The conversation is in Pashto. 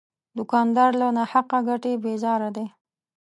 دوکاندار له ناحقه ګټې بیزاره دی.